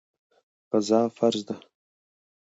غزا فرض ده.